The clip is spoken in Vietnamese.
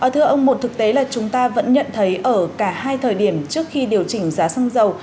thưa ông một thực tế là chúng ta vẫn nhận thấy ở cả hai thời điểm trước khi điều chỉnh giá xăng dầu